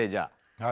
はい。